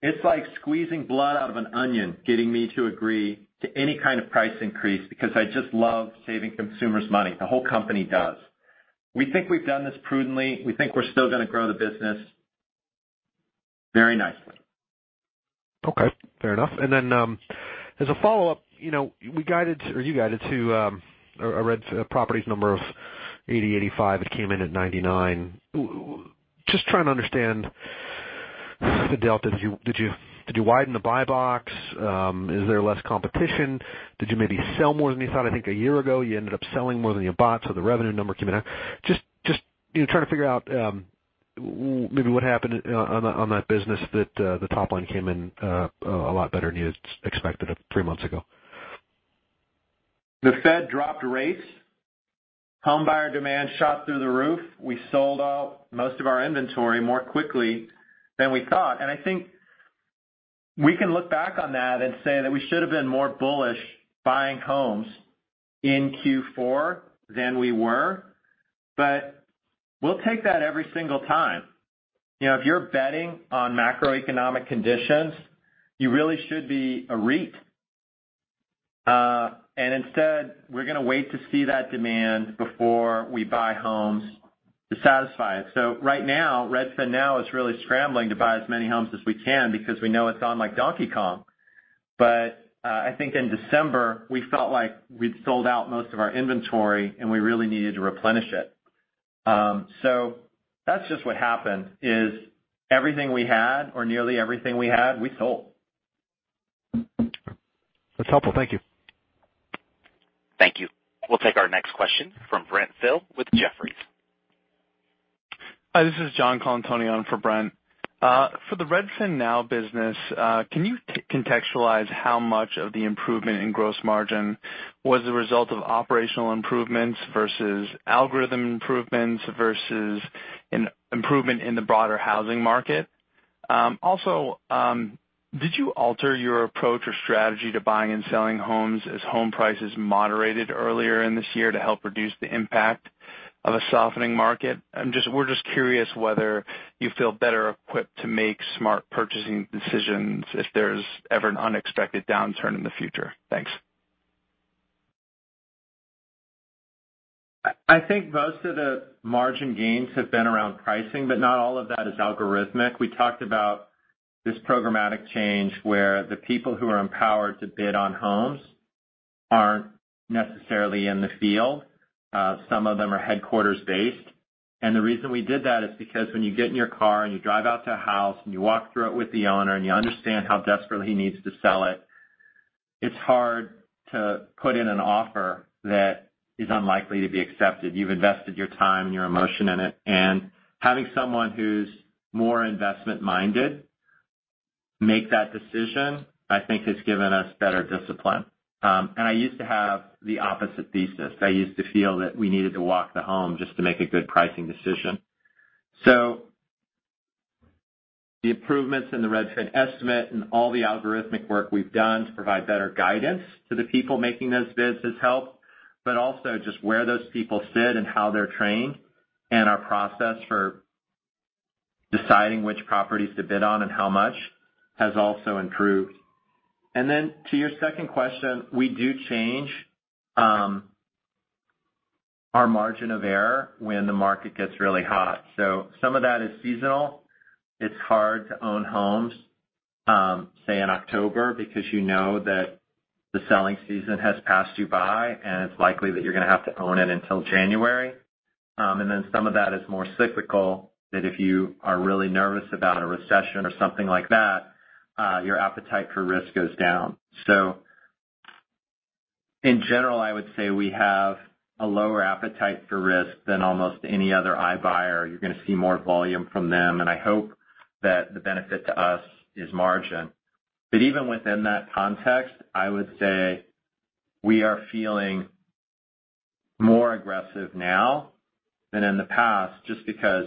It's like squeezing blood out of an onion, getting me to agree to any kind of price increase because I just love saving consumers money. The whole company does. We think we've done this prudently. We think we're still going to grow the business. Very nicely. Okay, fair enough. As a follow-up, you guided to a Redfin Properties number of 80-85. It came in at 99. Just trying to understand the delta. Did you widen the buy box? Is there less competition? Did you maybe sell more than you thought? I think a year ago, you ended up selling more than you bought, so the revenue number came in. Just trying to figure out maybe what happened on that business that the top line came in a lot better than you had expected three months ago? The Fed dropped rates, home buyer demand shot through the roof. We sold out most of our inventory more quickly than we thought. I think we can look back on that and say that we should have been more bullish buying homes in Q4 than we were. We'll take that every single time. If you're betting on macroeconomic conditions, you really should be a REIT. Instead, we're going to wait to see that demand before we buy homes to satisfy it. Right now, RedfinNow is really scrambling to buy as many homes as we can because we know it's on like Donkey Kong. I think in December, we felt like we'd sold out most of our inventory, and we really needed to replenish it. That's just what happened, is everything we had or nearly everything we had, we sold. That's helpful. Thank you. Thank you. We'll take our next question from Brent Thill with Jefferies. Hi, this is John Colantuoni for Brent. For the RedfinNow business, can you contextualize how much of the improvement in gross margin was the result of operational improvements versus algorithm improvements versus an improvement in the broader housing market? Did you alter your approach or strategy to buying and selling homes as home prices moderated earlier in this year to help reduce the impact of a softening market? We're just curious whether you feel better equipped to make smart purchasing decisions if there's ever an unexpected downturn in the future. Thanks. I think most of the margin gains have been around pricing. Not all of that is algorithmic. We talked about this programmatic change where the people who are empowered to bid on homes aren't necessarily in the field. Some of them are headquarters-based. The reason we did that is because when you get in your car and you drive out to a house and you walk through it with the owner and you understand how desperate he needs to sell it's hard to put in an offer that is unlikely to be accepted. You've invested your time and your emotion in it. Having someone who's more investment-minded make that decision, I think, has given us better discipline. I used to have the opposite thesis. I used to feel that we needed to walk the home just to make a good pricing decision. The improvements in the Redfin Estimate and all the algorithmic work we've done to provide better guidance to the people making those bids has helped, but also just where those people sit and how they're trained and our process for deciding which properties to bid on and how much has also improved. To your second question, we do change our margin of error when the market gets really hot. Some of that is seasonal. It's hard to own homes, say, in October, because you know that the selling season has passed you by, and it's likely that you're going to have to own it until January. Some of that is more cyclical, that if you are really nervous about a recession or something like that, your appetite for risk goes down. In general, I would say we have a lower appetite for risk than almost any other iBuyers. You're going to see more volume from them, and I hope that the benefit to us is margin. Even within that context, I would say we are feeling more aggressive now than in the past just because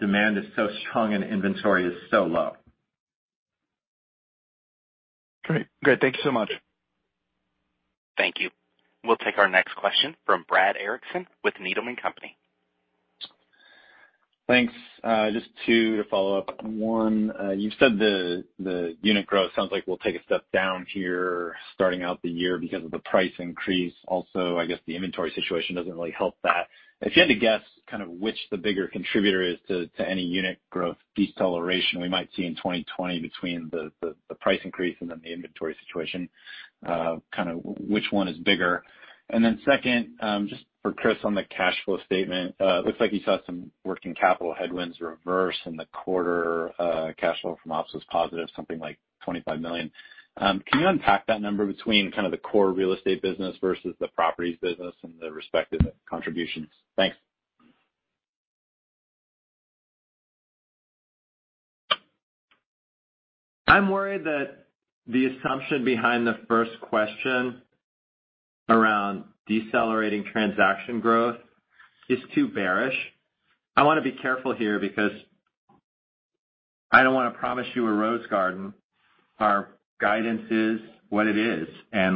demand is so strong and inventory is so low. Great. Thank you so much. Thank you. We'll take our next question from Brad Erickson with Needham & Company. Thanks. Just two to follow up. One, you've said the unit growth sounds like we'll take a step down here starting out the year because of the price increase. I guess the inventory situation doesn't really help that. If you had to guess kind of which the bigger contributor is to any unit growth deceleration we might see in 2020 between the price increase and then the inventory situation, kind of which one is bigger? Second, just for Chris on the cash flow statement. Looks like you saw some working capital headwinds reverse in the quarter. Cash flow from ops was positive, something like $25 million. Can you unpack that number between kind of the core real estate business versus the properties business and the respective contributions? Thanks. I'm worried that the assumption behind the first question around decelerating transaction growth is too bearish. I want to be careful here because I don't want to promise you a rose garden. Our guidance is what it is.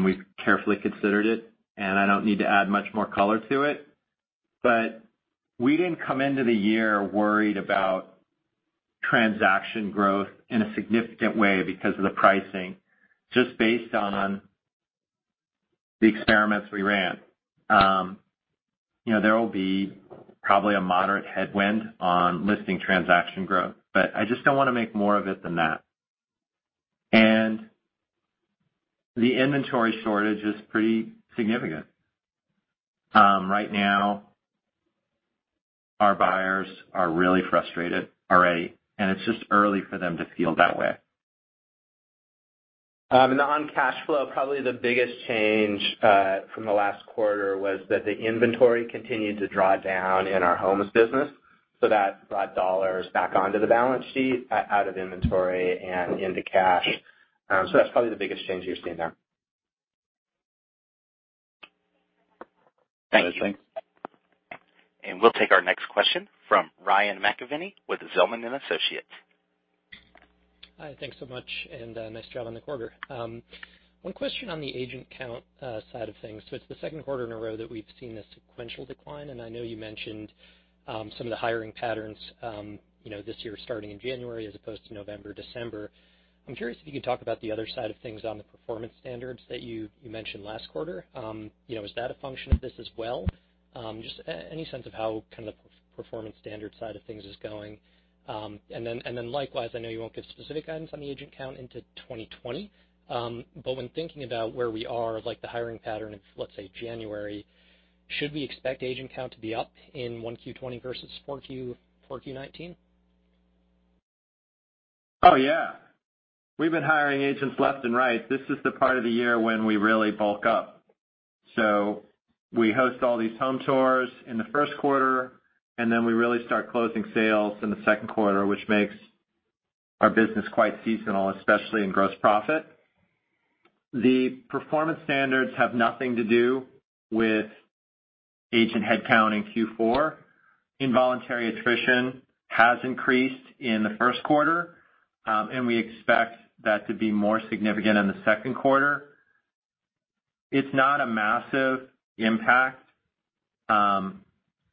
We carefully considered it. I don't need to add much more color to it. We didn't come into the year worried about transaction growth in a significant way because of the pricing, just based on the experiments we ran. There will be probably a moderate headwind on listing transaction growth. I just don't want to make more of it than that. The inventory shortage is pretty significant. Right now, our buyers are really frustrated already. It's just early for them to feel that way. On cash flow, probably the biggest change from the last quarter was that the inventory continued to draw down in our homes business. That brought dollars back onto the balance sheet out of inventory and into cash. That's probably the biggest change you're seeing there. Thanks. We'll take our next question from Ryan McKeveny with Zelman & Associates. Hi, thanks so much. Nice job on the quarter. One question on the agent count side of things. It's the second quarter in a row that we've seen a sequential decline, and I know you mentioned some of the hiring patterns this year starting in January as opposed to November, December. I'm curious if you could talk about the other side of things on the performance standards that you mentioned last quarter. Is that a function of this as well? Just any sense of how the performance standard side of things is going. Likewise, I know you won't give specific guidance on the agent count into 2020. When thinking about where we are, like the hiring pattern in, let's say, January, should we expect agent count to be up in 1Q20 versus 4Q19? Oh, yeah. We've been hiring agents left and right. This is the part of the year when we really bulk up. We host all these home tours in the first quarter, and then we really start closing sales in the second quarter, which makes our business quite seasonal, especially in gross profit. The performance standards have nothing to do with agent headcount in Q4. Involuntary attrition has increased in the first quarter. We expect that to be more significant in the second quarter. It's not a massive impact.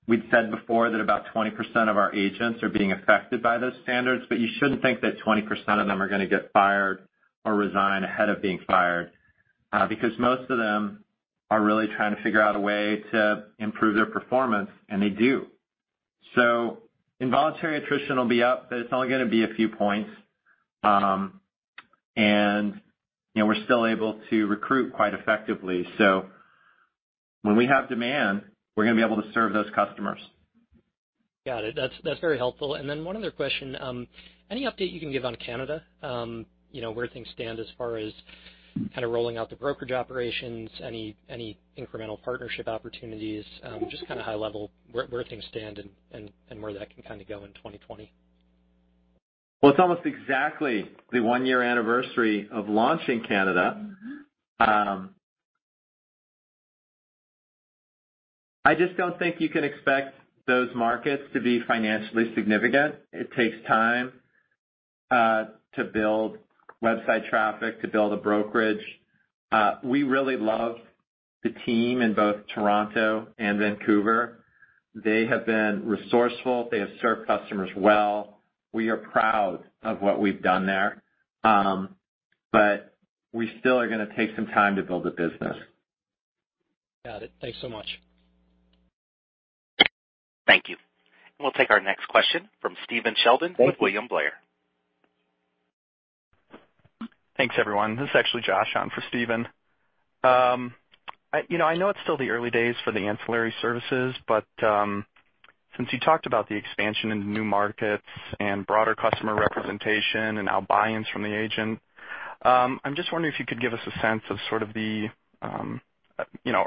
We've said before that about 20% of our agents are being affected by those standards, but you shouldn't think that 20% of them are going to get fired or resign ahead of being fired, because most of them are really trying to figure out a way to improve their performance, and they do. Involuntary attrition will be up, but it's only going to be a few points. We're still able to recruit quite effectively. When we have demand, we're going to be able to serve those customers. Got it. That's very helpful. One other question. Any update you can give on Canada, where things stand as far as kind of rolling out the brokerage operations, any incremental partnership opportunities, just kind of high level where things stand and where that can go in 2020? Well, it's almost exactly the one year anniversary of launch in Canada. I just don't think you can expect those markets to be financially significant. It takes time to build website traffic, to build a brokerage. We really love the team in both Toronto and Vancouver. They have been resourceful. They have served customers well. We are proud of what we've done there. We still are going to take some time to build a business. Got it. Thanks so much. Thank you. We'll take our next question from Stephen Sheldon with William Blair. Thanks, everyone. This is actually Josh Beck on for Stephen. I know it's still the early days for the ancillary services, since you talked about the expansion into new markets and broader customer representation and now buy-ins from the agent, I'm just wondering if you could give us a sense of sort of the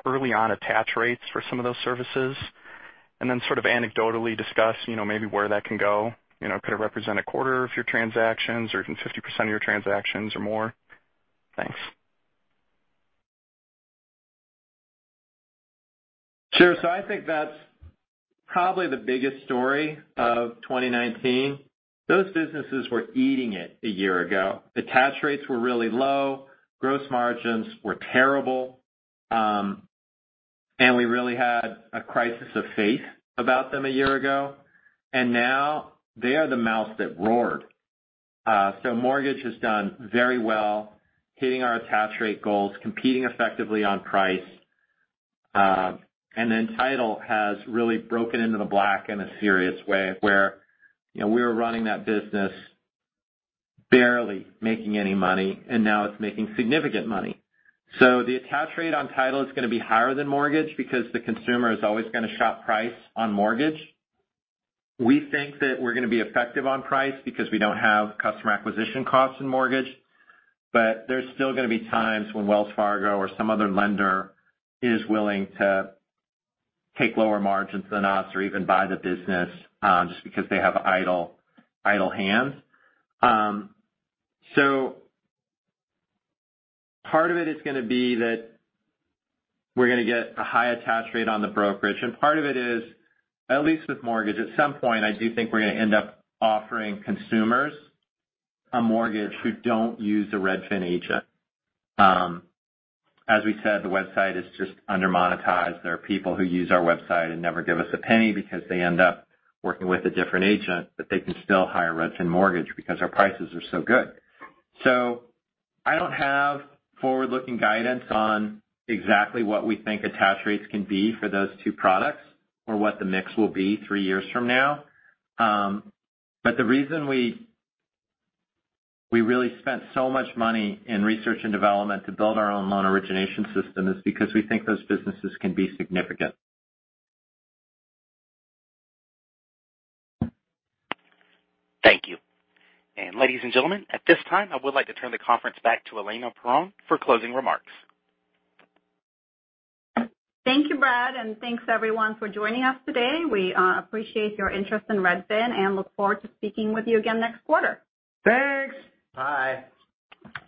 early on attach rates for some of those services, and then sort of anecdotally discuss maybe where that can go. Could it represent a quarter of your transactions or even 50% of your transactions or more? Thanks. Sure. I think that's probably the biggest story of 2019. Those businesses were eating it a year ago. Attach rates were really low, gross margins were terrible, and we really had a crisis of faith about them a year ago. Now they are the mouse that roared. Mortgage has done very well, hitting our attach rate goals, competing effectively on price. Title has really broken into the black in a serious way, where we were running that business barely making any money, and now it's making significant money. The attach rate on title is going to be higher than mortgage because the consumer is always going to shop price on mortgage. We think that we're going to be effective on price because we don't have customer acquisition costs in mortgage. There's still going to be times when Wells Fargo or some other lender is willing to take lower margins than us or even buy the business, just because they have idle hands. Part of it is going to be that we're going to get a high attach rate on the brokerage, and part of it is, at least with mortgage, at some point, I do think we're going to end up offering consumers a mortgage who don't use a Redfin agent. As we said, the website is just under-monetized. There are people who use our website and never give us a penny because they end up working with a different agent, but they can still hire Redfin Mortgage because our prices are so good. I don't have forward-looking guidance on exactly what we think attach rates can be for those two products or what the mix will be three years from now. The reason we really spent so much money in research and development to build our own loan origination system is because we think those businesses can be significant. Thank you. Ladies and gentlemen, at this time, I would like to turn the conference back to Elena Perron for closing remarks. Thank you, Brad, and thanks everyone for joining us today. We appreciate your interest in Redfin and look forward to speaking with you again next quarter. Thanks. Bye.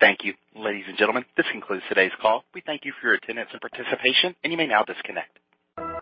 Thank you. Ladies and gentlemen, this concludes today's call. We thank you for your attendance and participation, and you may now disconnect.